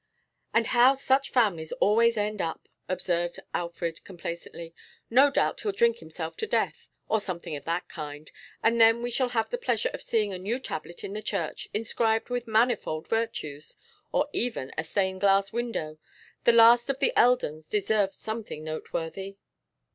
'Just how such families always end up,' observed Alfred complacently. 'No doubt he'll drink himself to death, or something of that kind, and then we shall have the pleasure of seeing a new tablet in the church, inscribed with manifold virtues; or even a stained glass window: the last of the Eldons deserves something noteworthy.